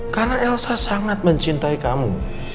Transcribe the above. karena elsa sangat mencintai kamu